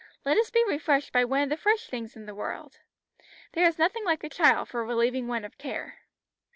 Let us be refreshed by one of the fresh things in this world. There is nothing like a child for relieving one of care."